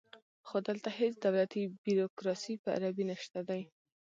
خو دلته هیڅ دولتي بیروکراسي په عربي نشته دی